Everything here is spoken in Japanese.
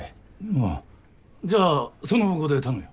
まあじゃあその方向で頼むよ。